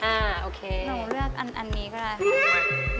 โอเคหนูเลือกอันนี้ก็ได้